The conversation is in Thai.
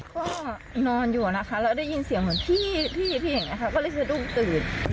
ก็นอนอยู่นะคะแล้วได้ยินเสียงเหมือนพี่อย่างนี้ค่ะก็เลยสะดุ้งตื่น